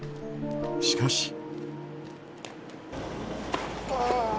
しかし。